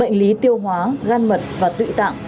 bệnh lý tiêu hóa gan mật và tụi tạng